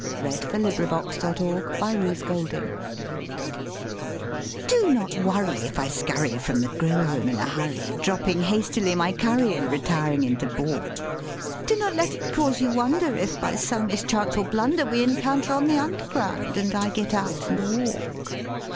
CUPID'S DARTS (Which are a growing menace to the public) Do not worry if I scurry from the grill room in a hurry, Dropping hastily my curry and re tiring into balk ; Do not let it cause you wonder if, by some mischance or blunder, We encounter on the Underground and I get out and walk.